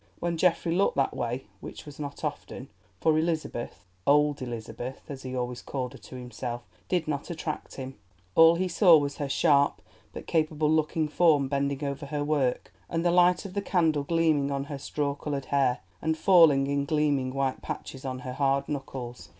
When Geoffrey looked that way, which was not often, for Elizabeth—old Elizabeth, as he always called her to himself—did not attract him, all he saw was her sharp but capable looking form bending over her work, and the light of the candle gleaming on her straw coloured hair and falling in gleaming white patches on her hard knuckles.